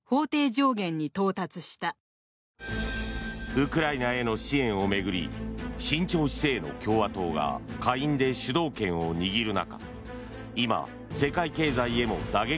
ウクライナへの支援を巡り慎重姿勢の共和党が下院で主導権を握る中